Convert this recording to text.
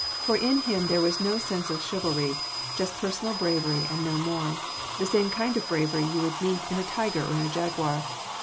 For in him there was no sense of chivalry just personal bravery and no more the same kind of bravery you would meet in a tiger or a jaguar.